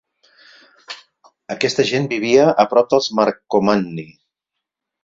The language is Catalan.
Aquesta gent vivia a prop dels Marcomanni.